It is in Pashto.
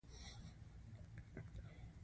انجلۍ وويل چې له ډاکټر سره يې خبرې کړې وې